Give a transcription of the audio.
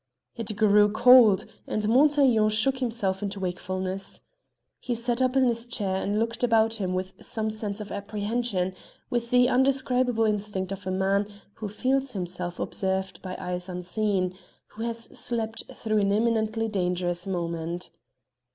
It grew cold, and Montaiglon shook himself into wakefulness. He sat up in his chair and looked about him with some sense of apprehension, with the undescribable instinct of a man who feels himself observed by eyes unseen, who has slept through an imminently dangerous moment.